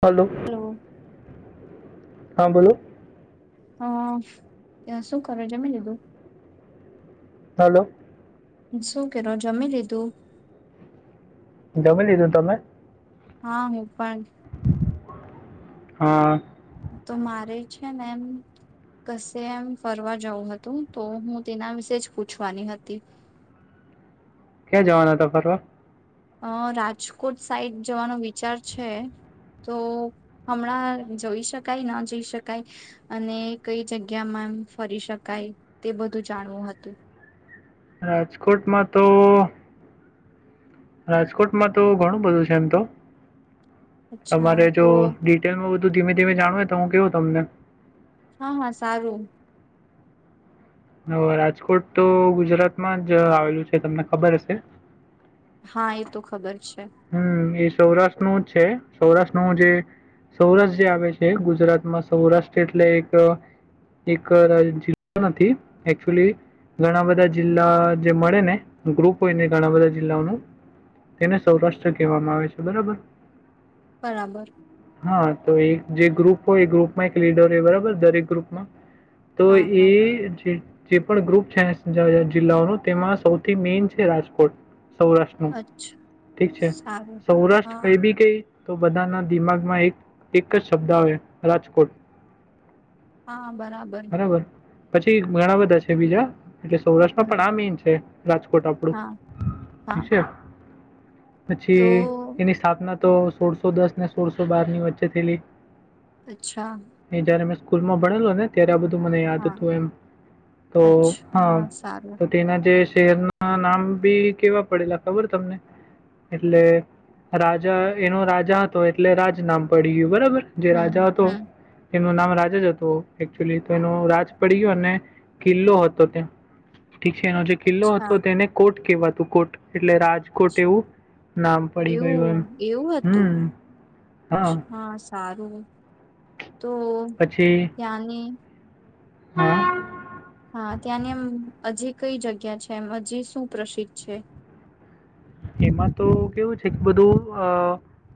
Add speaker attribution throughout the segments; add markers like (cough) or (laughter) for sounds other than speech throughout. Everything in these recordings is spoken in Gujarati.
Speaker 1: હાલો
Speaker 2: હલો
Speaker 1: હા બોલો
Speaker 2: હ ત્યાં શું કરો જમી લીધું
Speaker 1: હાલો
Speaker 2: શું કરો જમી લીધું
Speaker 1: જમી લીધું તમે
Speaker 2: હા હુ પણ
Speaker 1: હા
Speaker 2: તો મારે છે ને એમ કશે એમ ફરવા જવું હતું તો હું તેના વિશે જ પૂછવાની હતી
Speaker 1: ક્યાં જવાના હતા ફરવા
Speaker 2: અ રાજકોટ સાઈડ જવાનો વિચાર છે તો હમણાં જઈ શકાય ન જઈ શકાય અને કઈ જગ્યામાં એમ ફરી શકાય તે બધું જાણવું હતું
Speaker 1: રાજકોટમાં તો રાજકોટમાં તો ઘણું બધું છે એમ તો
Speaker 2: અચ્છા
Speaker 1: તમારે જો
Speaker 2: તો
Speaker 1: ડિટેલમાં બ ધુ ધીમે ધીમે જાણવુ તો હું કેવું તમને
Speaker 2: હા હા સારું
Speaker 1: હ રાજકોટ તો ગુજરાતમાં જ આવેલું છે તમને ખબર હશે
Speaker 2: હા એ તો ખબર છે.
Speaker 1: હમ્મ એ સૌરાષ્ટ્ર નું છે સૌરાષ્ટ્રમાં જે આવે છે ગુજરાતમાં સૌરાષ્ટ્ર એટલે એક જીવતો નથી ઘણા બધા જિલ્લા જે મળે ને ઘણા બધા જિલ્લાઓનું સૌરાષ્ટ્ર કહેવામાં આવે છે બરાબર
Speaker 2: બરાબર
Speaker 1: હા તો એક જે ગ્રુપ હોય એ ગ્રુપમાં એક લીડર હોય બરાબર દરેક ગ્રુપમાં તો
Speaker 2: હા
Speaker 1: એ
Speaker 2: હા
Speaker 1: જે જે પણ ગ્રુપ છે જ જિલ્લાઓનુ તેમાં સૌથી મેન છે રાજકોટ સૌરાષ્ટ્રનું
Speaker 2: અચ્છા
Speaker 1: ઠીક છે
Speaker 2: સારું
Speaker 1: સૌરાષ્ટ્ર
Speaker 2: હા
Speaker 1: કઈ ભી કઈ તો બધાના દિમાગમાં એક એક જ શબ્દ આવે રાજકોટ
Speaker 2: હા બરાબર
Speaker 1: પછી ઘણા બધા છે બીજા એટલે સૌરાષ્ટ્રમાં
Speaker 2: હમ
Speaker 1: પણ આ મેઇન છે. રાજકોટ આપડું
Speaker 2: હા હા
Speaker 1: ઠીક છે.
Speaker 2: તો
Speaker 1: પછી એની સ્થાપના તો સોળસો દસ ને સોળસો બારની વચ્ચે થયેલી
Speaker 2: અચ્છા.
Speaker 1: એ જ્યારે મેં સ્કૂલમાં ભણેલો ત્યારે આ બ ધુ મને યાદ
Speaker 2: હા
Speaker 1: હતું એમ તો
Speaker 2: અચ્છા
Speaker 1: હા
Speaker 2: સારું
Speaker 1: તો તેના જે શેર ના નામ ભી કેવા પડેલા ખબર તમને. એટલે રાજા એનો રાજા હતો એટલે રાજ નામ પડી ગયું બરબ ર જે
Speaker 2: હમ
Speaker 1: રાજા હતો.
Speaker 2: હમ
Speaker 1: એનું નામ રાજા જ હતું એકચુઅલી તો એનો રાજ પડી ગયો અને કિલ્લો હતો ત્યાં. ટીસે નો જે કિલ્લો
Speaker 2: અચ્છા
Speaker 1: હતો તેને કોટ કેવાતું કોટ એટલે રાજકોટ એવું. નામ પડી ગયું
Speaker 2: એવું
Speaker 1: એમ
Speaker 2: એવું હતું
Speaker 1: હમ
Speaker 2: હા સારું તો
Speaker 1: પછી
Speaker 2: ત્યાંની
Speaker 1: હા.
Speaker 2: હા ત્યાંની એમ હજી કઈ જગ્યા છે એમ હજી સુું પ્રસિદ્ધ છે.
Speaker 1: એમાં તો કેવું છે કે બધું અ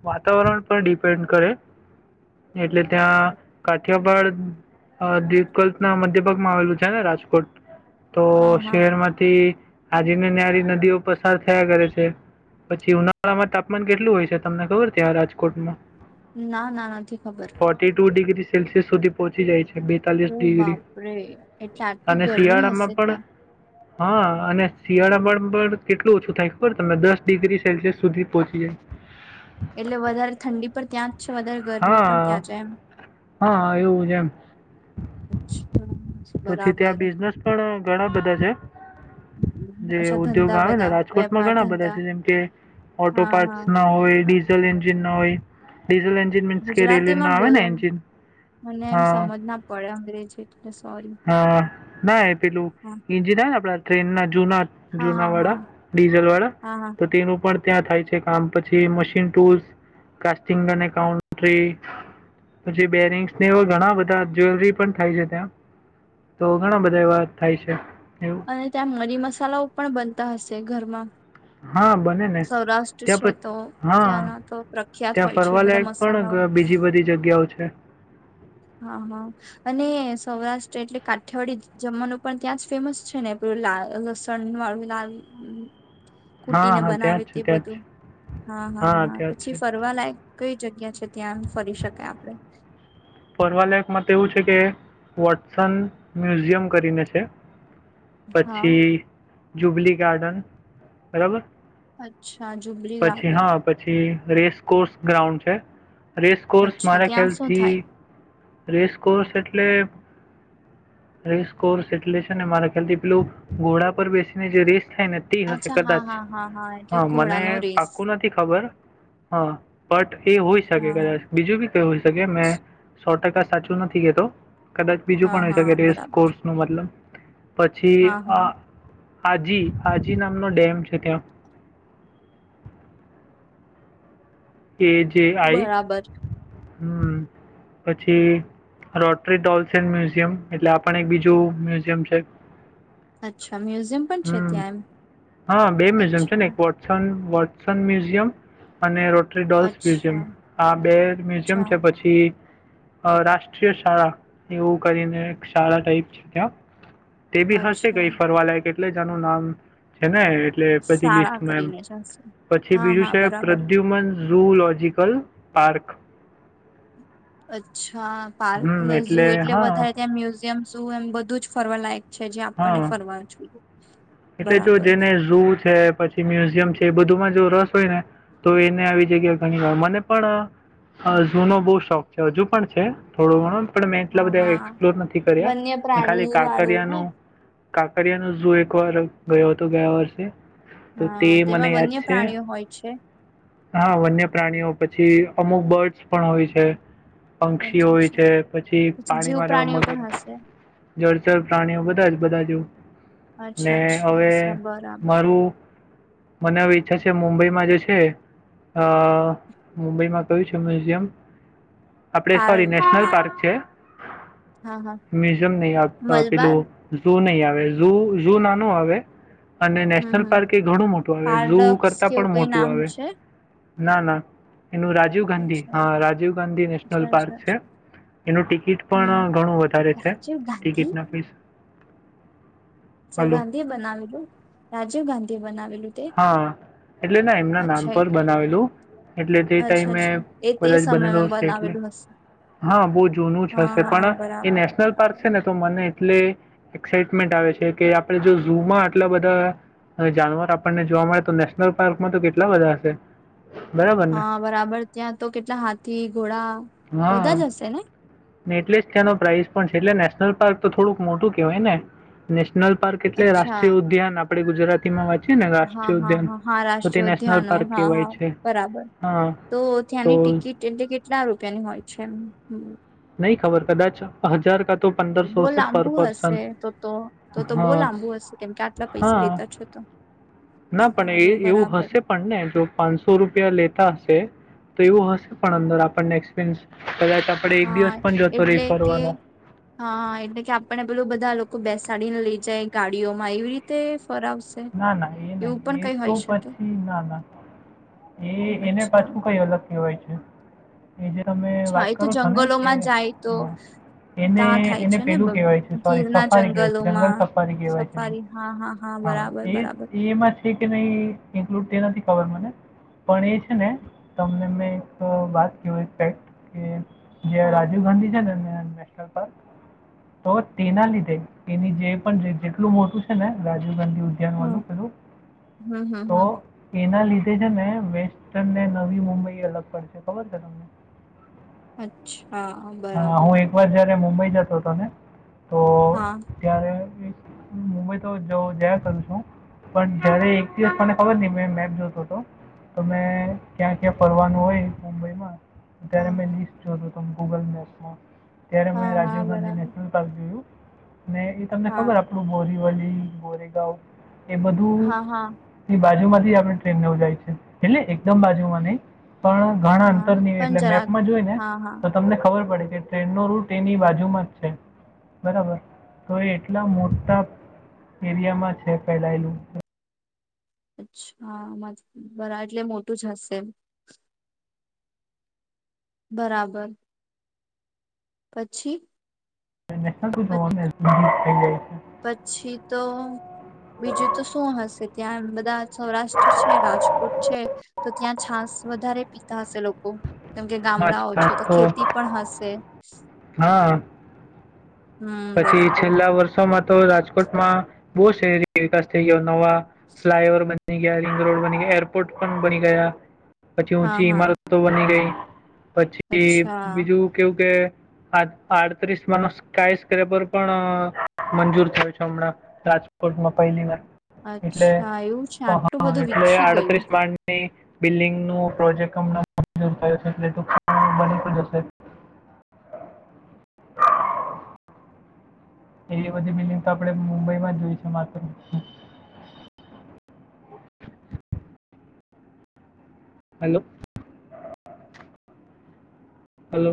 Speaker 1: વાતાવરણ પર ડિપેન્ડ કરે એટલે ત્યાં કાઠિયાવાાડ દીકલ્ ના મધ્ય ભાગમાં આવેલું છે ને રાજકોટ. તો
Speaker 2: હા હા
Speaker 1: શહેરમાંથી આજને ન્યારીના દીવ પસાર થયા કરે. છે પછી ઉનાળામાં તાપમાન કેટલું હોય છે તમને ખબર છે આ રાજકોટમાં.
Speaker 2: ના ના નથી ખબર.
Speaker 1: સેસિયસ સુધી પહંચી જાય છે. બેતાલીસ
Speaker 2: ઓ
Speaker 1: ડિગ્રી
Speaker 2: બાપરે એટલે આટલી
Speaker 1: અને
Speaker 2: ગરમી હશે
Speaker 1: શિયાળામાં પણ
Speaker 2: ત્યાં.
Speaker 1: હા અને શિયાળામા પણ કેટલું ઓછું થાય. બર તમે દસ ડિગ્રી સેલ્સિયસ સુધી પહોચી જાય.
Speaker 2: એટલે વધારે ઠંડી પણ ત્યાં જ છે વધારે ગરમી પણ
Speaker 1: હા
Speaker 2: ત્યાં જાય એમ
Speaker 1: હા એવું છે એમ
Speaker 2: છા
Speaker 1: પછી
Speaker 2: બરાબર
Speaker 1: ત્યાં બિઝનેસ પણ ઘણા બધા છે જે
Speaker 2: અચ્છા
Speaker 1: ઉદ્યોગ
Speaker 2: ધંધા
Speaker 1: આવે ને
Speaker 2: બધા
Speaker 1: રાજકોટમાં ઘણા બધા
Speaker 2: ધંધા
Speaker 1: છે જેમ કે ઓટો
Speaker 2: હા હા
Speaker 1: ટાઈપ્સના હોય. ડીઝલ એન્જિન ના હોય. ડીઝલ એન્જિન મીન્સ કે રેલવે
Speaker 2: ગુજરાતી
Speaker 1: નું
Speaker 2: માં
Speaker 1: આવે ને
Speaker 2: બોલો
Speaker 1: એન્જિન
Speaker 2: મને એમ
Speaker 1: હા
Speaker 2: સમજ ના પડે અંગ્રેજી એટલે સોરી
Speaker 1: હા ના પેલું
Speaker 2: હા
Speaker 1: એન્જિન આવે ને આપડા ટ્રેનના જુના
Speaker 2: હા
Speaker 1: જુના
Speaker 2: હા હા
Speaker 1: વડા. ડીઝલ વાળા
Speaker 2: હા હા
Speaker 1: તો તેનું પણ ત્યાં થાય છે કામ પછી મશીન ટુલ્સ કાસ્ટિંગ અને કાઉન્ટ્રી પછી બેરિંગ્સ એવા ઘણા બધા જ્વેલરી પણ થાય છે ત્યાં તો ઘણા બધા એવા થાય છે. એવું
Speaker 2: અને ત્યાં મરી મસાલાઓ પણ બનતા હશે ઘરમાં.
Speaker 1: હા બને ને
Speaker 2: સૌરાષ્ટ્ર
Speaker 1: ત્યાં
Speaker 2: છે
Speaker 1: પ
Speaker 2: તો
Speaker 1: હા
Speaker 2: ત્યાંના તો પ્રખ્યાત
Speaker 1: ત્યાં
Speaker 2: હોય છે બધા
Speaker 1: ફરવાલાયક પણ
Speaker 2: મસાલાઓ
Speaker 1: ગ બીજી બધી જગ્યાઓ છે.
Speaker 2: હા હા અને સૌરાષ્ટ્ર એટલે કાઠિયાવાડી જમવાનું પણ ત્યાં જ ફેમસ છે ને પેલું લા લસણ વાળું લા
Speaker 1: હા હા. ત્યાં
Speaker 2: નાવે તે
Speaker 1: જ છે, ત્યાં જ છે.
Speaker 2: બધું હા હા હા
Speaker 1: ત્યાં જ
Speaker 2: પછી
Speaker 1: છે.
Speaker 2: ફરવા લાયક કઈ જગ્યા છે ત્યાં ફરી શકાય આપણે
Speaker 1: ફરવાલાયકમા તો એવું છે કે વોટસન મ્યુઝિયમ કરીને છે.
Speaker 2: હા
Speaker 1: પછી જુબલી ગાર્ડન બરાબર
Speaker 2: અચ્છા જુબરી
Speaker 1: પછી
Speaker 2: ગાર્ડન
Speaker 1: હા, પછી રેસ કોર્સ ગ્રાઉન્ડ છે. રેસ કોર્સ
Speaker 2: અચ્છા
Speaker 1: મારા
Speaker 2: ત્યાં શું
Speaker 1: ખ્યાલથી
Speaker 2: થાય
Speaker 1: રેસ કોર્સ એટલે રેસ કોર્સ એટલે છે ને મારા ખ્યાલ થી પેલું ઘોડા પર બેસીને જે રેસ થાય ને તે હશે
Speaker 2: અચ્છા હા
Speaker 1: કદાચ
Speaker 2: હા હા એટલે
Speaker 1: હા મને
Speaker 2: ઘોડાનો રેસ
Speaker 1: પાકું નથી ખબર હા બટ એ હોઈ શકે
Speaker 2: હા હા
Speaker 1: કદાચ બીજું બી કઈ હોય શકે મેં સો ટકા સાચું નથી કેતો કદાચ બીજું
Speaker 2: હા
Speaker 1: પણ હોય છે કે
Speaker 2: હા
Speaker 1: રેસ
Speaker 2: બરાબર
Speaker 1: કોર્સનુ મતલબ પછી
Speaker 2: હા હા
Speaker 1: આ આજી આજી નામનો ડેમ છે ત્યાં કે જેઆઈ
Speaker 2: બરાબર
Speaker 1: હમ પછી રોટ્રરી ડોલ્સન મ્યુઝિયમ એટલે આપણ એક બીજું મ્યુઝિયમ છે.
Speaker 2: અચ્છા મ્યુઝિયમ પણ છે
Speaker 1: હમ
Speaker 2: ત્યાં એમ
Speaker 1: હા બે મ્યુઝિયમ છે ને
Speaker 2: અચ્છા
Speaker 1: એક વટસન વોટસન મ્યુઝિયમ અને રો ટ્રી ડોલ્સ મ્યુઝિયમ
Speaker 2: અચ્છા
Speaker 1: આ બે મ્યુઝિયમ
Speaker 2: અચ્છા
Speaker 1: છે પછી અ રાષ્ટ્રીય શાળા એવું કરીને શાળા ટાઈપ છે ત્યાં તે બી હશે
Speaker 2: અચ્છા
Speaker 1: ગઈ ફરવા લાયક જ એટલે જ આનું નામ છે ને એટલે બધી
Speaker 2: શાળા
Speaker 1: લિસ્ટમાં એમ
Speaker 2: કરીને જશે
Speaker 1: પછી
Speaker 2: હા
Speaker 1: બીજું
Speaker 2: હા
Speaker 1: છે
Speaker 2: બરાબર
Speaker 1: પ્રદ્યુમન જુલોજીકલ પાર્ક
Speaker 2: અચ્છા હા પાર્ક
Speaker 1: હમ
Speaker 2: ને જુ એટલે
Speaker 1: હા
Speaker 2: વધારે ત્યાં મ્યુઝિયમ શુ એમ બધું જ ફરવા લાયક છે જે આપણને
Speaker 1: હા
Speaker 2: ફરવા જોઈએ
Speaker 1: એટલે જો
Speaker 2: બરાબર
Speaker 1: જેને જુ છે પછી મ્યુઝિયમ છે એ બધુંમાં જો રસ હોય ને તો એને આવી જગ્યા ઘણી વાર મને પણ ઝૂનો બહુ શોખ છે હજુ પણ છે થોડો ઘણો પણ મેં એટલા
Speaker 2: હા
Speaker 1: બધા
Speaker 2: હા
Speaker 1: એક્સપ્લોર નથી
Speaker 2: વન્ય
Speaker 1: કર્યા ખાલી
Speaker 2: પ્રાણી વાળું ને
Speaker 1: કાંકરિયાનું કાકરિયાનુ જુ એક એકવાર ગયો હતો ગયા વર્ષે તે
Speaker 2: હા
Speaker 1: મને
Speaker 2: તેમાં
Speaker 1: યાદ
Speaker 2: વન્ય
Speaker 1: છે,
Speaker 2: પ્રાણીઓ હોય છે
Speaker 1: હા વન્ય પ્રાણીઓ પછી અમુક બર્ડ્સ પણ આવે છે. પંક્ષી
Speaker 2: અચ્છા
Speaker 1: હોય
Speaker 2: અચ્છા
Speaker 1: છે, પછી
Speaker 2: જીવ
Speaker 1: પાણીમાં રહેવા
Speaker 2: પ્રાણીઓ
Speaker 1: મગર
Speaker 2: પણ હશે
Speaker 1: જળ જર પ્રાણીઓ બધા જ બધા જે
Speaker 2: અચ્છા
Speaker 1: ને
Speaker 2: અચ્છા
Speaker 1: હવે
Speaker 2: અચ્છા, બરાબર
Speaker 1: મારું મને ઈચ્છા છે, મુંબઈ આજે છે મુંબઈમાં કયું છે મ્યુઝિયમ? આપડે
Speaker 2: પાર
Speaker 1: સોરી નેશનલ
Speaker 2: પા
Speaker 1: પાર્ક છે,
Speaker 2: હા હા
Speaker 1: મ્યુઝિમ નહી પેલુ
Speaker 2: મલબાર
Speaker 1: ઝૂ નહી (unintelligible) જુ નાનું આવે અને
Speaker 2: હમ
Speaker 1: નેશનલ
Speaker 2: હમ
Speaker 1: પાર્ક એ ઘણું મોટું આવે ઝુ
Speaker 2: પારડક્સ
Speaker 1: કરતા
Speaker 2: કેવું
Speaker 1: પણ
Speaker 2: કઈ
Speaker 1: મોટું
Speaker 2: નામ
Speaker 1: આવે
Speaker 2: છે
Speaker 1: ના ના એનું રાજીવ ગાંધી
Speaker 2: અચ્છા એ.
Speaker 1: હા રાજીવ ગાંધી નેશનલ
Speaker 2: અચ્છા અચ્છા
Speaker 1: પાર્ક છે,
Speaker 2: અચ્છા.
Speaker 1: એનું ટિકિટ
Speaker 2: હમ
Speaker 1: પણ ઘણું વધારે છે
Speaker 2: રાજીવ ગાંધી
Speaker 1: ટિકિટ ના પૌસા
Speaker 2: સર
Speaker 1: હલો
Speaker 2: ગાંધી એ બનાવેલું રાજીવ ગાંધી એ બનાવેલું તે
Speaker 1: હા, એટલે ના એમના નામ
Speaker 2: અચ્છા
Speaker 1: પર
Speaker 2: એટલે
Speaker 1: બનાવેલું એટલે તે
Speaker 2: અચ્છા
Speaker 1: ટાઈમે
Speaker 2: અચ્છા એ તે
Speaker 1: બધા જ બનેલો
Speaker 2: સમયમાં
Speaker 1: હશે એટલે
Speaker 2: બનાવેલું હશે
Speaker 1: હા બહુ જૂનું જ
Speaker 2: હા
Speaker 1: હશે,
Speaker 2: હા
Speaker 1: પણ એ
Speaker 2: બરાબર
Speaker 1: નેશનલ પાર્ક
Speaker 2: બરાબર
Speaker 1: છે ને તો મને એટલે એક્સાઇટમેન્ટ આવે છે. કે આપણે જો ઝુમાં આટલા બધા જાનવર આપણને જોવા મળે, તો નેશનલ પાર્કમાં તો કેટલા બધા હશે. બરાબર ને?
Speaker 2: હા, બરાબર ત્યાં તો કેટલા હાથી ઘોડા બધા જ
Speaker 1: હા,
Speaker 2: હશે ને?
Speaker 1: ને એટલે જ તેનો પ્રાઇઝ પણ છે એટલે પાર્ક તો થોડુંક મોટું કહેવાય ને નેશનલ પાર્ક એટલે
Speaker 2: અચ્છા
Speaker 1: રા્ટ્રીય ઉદ્યાન આપ આપણે ગુરાતી માં વાત
Speaker 2: હા હા હા હા
Speaker 1: નેશનલ
Speaker 2: રાષ્ટ્રીયોદ્યાનો
Speaker 1: પાર્ક
Speaker 2: હા
Speaker 1: કહેવાય
Speaker 2: હા
Speaker 1: છે.
Speaker 2: બરાબર
Speaker 1: હા,
Speaker 2: તો
Speaker 1: તો
Speaker 2: ત્યાંની ટિકિટ એટલે કેટલા રૂપિયાની હોય છે?
Speaker 1: નહીં ખબર કદાચ હજાર તો
Speaker 2: બહુ
Speaker 1: પંદરસો હશે પર
Speaker 2: લાંબુ હશે
Speaker 1: પર્સન.
Speaker 2: તો તો તો બહુ
Speaker 1: હા
Speaker 2: લાંબુ હશે કેમ કે આટલા પૈસા
Speaker 1: હા
Speaker 2: લેતા છે તો
Speaker 1: ના પણ
Speaker 2: સારું
Speaker 1: એ એવું
Speaker 2: બરાબર
Speaker 1: હશે પણ ને જો પાંચસો રૂપિયા લેતા હશે. તો એવું હસ પણ
Speaker 2: હા
Speaker 1: અંદર આપણને એક્સપિરયન્સ
Speaker 2: હા, એટલે કે
Speaker 1: ફરવાનો
Speaker 2: હા એટલે કે આપને પેલું બધા લોકો બેસે સાડીને લઈ જાય ગાડીઓ માં એવી રીતે ફરાવશે
Speaker 1: ના ના એ
Speaker 2: એવું પણ
Speaker 1: નહી એ
Speaker 2: કઈ
Speaker 1: તો
Speaker 2: હોઈ શકે
Speaker 1: પછી ના ના એ એને
Speaker 2: અચ્છા
Speaker 1: પાછું કઈ અલગ કવાય છે, એ જે તમે
Speaker 2: અચ્છા
Speaker 1: વાત
Speaker 2: એ તો
Speaker 1: કરો છો ને કે
Speaker 2: જંગલોમાં જાય તો
Speaker 1: હ એને
Speaker 2: ત્યાં થાય
Speaker 1: એને
Speaker 2: છે ને
Speaker 1: પેલું કહેવાય છે સોરી
Speaker 2: ગીરના
Speaker 1: સફારી કહેવાય છે, જંગલ
Speaker 2: જંગલોમાં
Speaker 1: સફારી કહેવાય છે
Speaker 2: સફારી હા
Speaker 1: હા
Speaker 2: બરાબર
Speaker 1: એ
Speaker 2: બરાબર
Speaker 1: એમાં તે કે નહીં ઇન્ક્લુડ તે નથી ખબર મને પણ એ છે, ને તમને મેં એક વાત ક એપેક્ટ કે જે
Speaker 2: હા
Speaker 1: રાજીવ ગાંધી છે, દરમિયાન તો તેના લીધે એની જે પણ જેટલું મોટું છે ને રાજીવ ગાંધી અ્યાન વા
Speaker 2: હમ
Speaker 1: પેલું
Speaker 2: હમ હમ
Speaker 1: તો
Speaker 2: હમ
Speaker 1: એના લીધે ને વેસ્ટનને નવી મુંબઈ અલગ પડશે ખબર છે તમને.
Speaker 2: અચ્છા. હા બરાબર.
Speaker 1: હું એકવાર જ્યારે મુંબઈ જતો હતો ને. તો
Speaker 2: હા.
Speaker 1: ત્યારે મુંબઈ તો જ જયા કરું છું પણ જય્યારે એક દિવસ મને ખબર નહી મેં મેપ જોતો હતો તો મેં ક્યાં ક્યાં ફરવાનું હોય મુંબઈમાં. ત્યારે
Speaker 2: હા
Speaker 1: મેં લિસ્ટ જોતો તો. હમ. ગૂગલ મેપમાં. ત્યારે મેં
Speaker 2: હા હા
Speaker 1: રાજીવ ગાંધી
Speaker 2: બરાબર
Speaker 1: નેશનલ પાર્ક જોયું. ને એ તમને
Speaker 2: હા
Speaker 1: ખબર આપડું બોરીવાલી ગોરેગાંવ. એ
Speaker 2: હા હા
Speaker 1: બધુંની બાજુમાં આપણે ટ્રેનને જાય છે એટલે એકદમ બાજુમાં નહી. પણ ઘણા
Speaker 2: હા
Speaker 1: અંતરની
Speaker 2: પણ
Speaker 1: એટલે
Speaker 2: જરાક
Speaker 1: મેપમાં જોય ને.
Speaker 2: હા હા
Speaker 1: તો તમને ખબર પડે. એ ટ્રેનનો રૂટ એની બાજુમાં જ છે બરાબર, તો એ એટલા મોટા એરિયામાં છે ફેલાયેલું.
Speaker 2: અચ્છા બરા એટલે મોટું જ હશે એ. બરાબર. પછી.
Speaker 1: નેશનલ શું જોવાનું થઈ જાય છે
Speaker 2: પછી તો બીજું તો શું હશે ત્યાં બ સૌરાષ્ટ્ર છે રાજકોટ છે, તો ત્યાં છાાસ વધારે પીતા હશે લોકો. કેમ કે ગામડાઓ છે તો ખેતી પણ હશે.
Speaker 1: હા
Speaker 2: હમ
Speaker 1: પછી
Speaker 2: બરાબર
Speaker 1: છેલ્લા વર્ષોમાં તો રાજકોટમાં બહુ શરી વિકાસ થઈ ગયો. નવા ફ્લાઇ ઓવર બની ગયા રિંગ રોડ બની ગયા એરપોર્ટ પણ બની ગયા. પછી
Speaker 2: હા
Speaker 1: ઊંચી
Speaker 2: હા
Speaker 1: ઇમારતો બની ગઈ. પછી
Speaker 2: અચ્છા
Speaker 1: બીજું કેવું કે આ આડત્રીસ માણસ કઈસ પર પણ મંજૂર થયો છે હમણાં, રાજકોટમાં પહેલી વાર. એટલે
Speaker 2: અચ્છા એવું છે આટલું બધું
Speaker 1: એટલે
Speaker 2: વિકસી ગયું
Speaker 1: આડત્રીસ માળની, બિલ્ડિંગ નું પ્રોજેક્ટમ થયો છે એટલે બની જ હશે (inaudible) એવી બધી બિલિંગ તો આપડણે મુંબઈ માં જોય છે માત્ર (inaudible) હાલો હલો